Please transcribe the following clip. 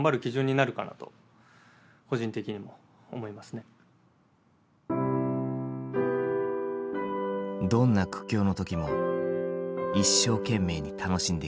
どんな苦境の時も一生懸命に楽しんできた大谷。